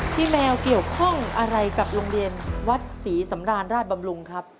แมวเกี่ยวข้องอะไรกับโรงเรียนวัดศรีสำราญราชบำรุงครับ